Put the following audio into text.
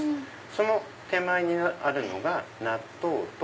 その手前にあるのが納豆と。